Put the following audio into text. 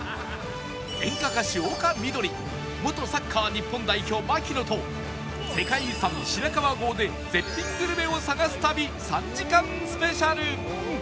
演歌歌手丘みどり元サッカー日本代表槙野と世界遺産白川郷で絶品グルメを探す旅３時間スペシャル